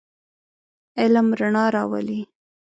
علم رڼا راولئ.